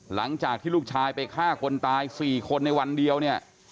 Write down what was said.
หลังจากที่ลูกชายไปฆ่าคนตาย๔คนในวันเดียวเนี่ย